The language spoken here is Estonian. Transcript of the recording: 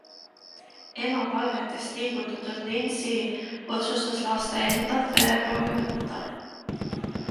Ema palvetest liigutatud Lindsey otsustas laste endalt vereproovi võtta.